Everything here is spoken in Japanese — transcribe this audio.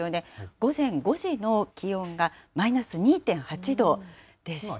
午前５時の気温がマイナス２．８度でした。